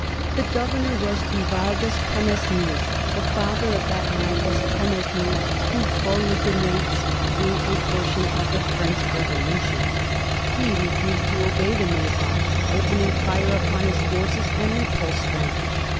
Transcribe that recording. The governor was Duval D^Espremesnil, the father of that mad D'Espre mesnil who f uliginates through a portion of the French Revolution. He refused to obey the Nabob, opened fire upon his forces, and repulsed them.